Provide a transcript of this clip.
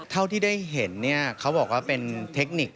เท่าที่ได้เห็นเนี่ยเขาบอกว่าเป็นเทคนิค